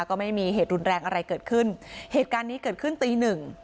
ก็ไม่มีเหตุรุนแรงอะไรเกิดขึ้นเหตุการณ์นี้เกิดขึ้นตีหนึ่ง